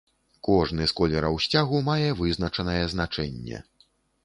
Кожны з колераў сцягу мае вызначанае значэнне.